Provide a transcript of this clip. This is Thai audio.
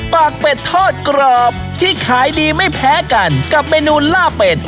ปากเป็ดทอดกรอบที่ขายดีไม่แพ้กันกับเมนูล่าเป็ด